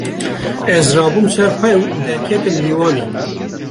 Ez rabûm ser xwe û derketim lîwanê.